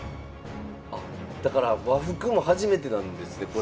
あっだから和服も初めてなんですね。